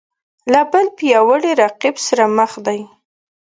له بل پیاوړي رقیب سره مخ دی